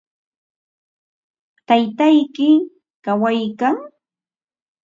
¿Taytayki kawaykan?